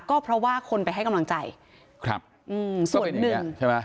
ก็เพราะว่าคนไปให้กำลังใจครับอืมส่วนหนึ่งใช่ไหม